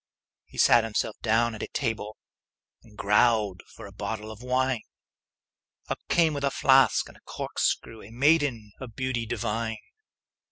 He sat himself down at a table, And growled for a bottle of wine; Up came with a flask and a corkscrew A maiden of beauty divine.